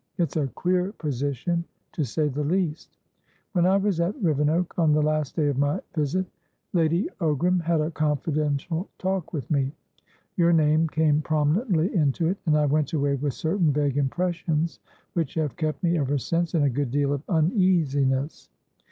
It's a queer position, to say the least. When I was at Rivenoak, on the last day of my visit, Lady Ogram had a confidential talk with me; your name came prominently into it, and I went away with certain vague impressions which have kept me, ever since, in a good deal of uneasiness.